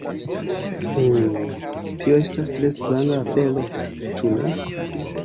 Hmm, tio estas tre stranga afero, ĉu ne?